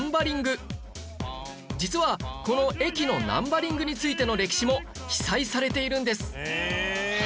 実はこの駅のナンバリングについての歴史も記載されているんです